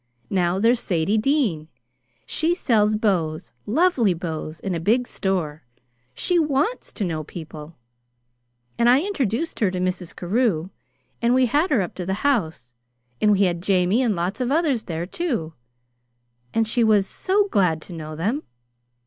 "Now there's Sadie Dean she sells bows, lovely bows in a big store she WANTS to know people; and I introduced her to Mrs. Carew, and we had her up to the house, and we had Jamie and lots of others there, too; and she was SO glad to know them!